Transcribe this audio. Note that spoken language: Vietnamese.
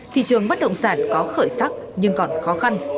thị trường bất động sản có khởi sắc nhưng còn khó khăn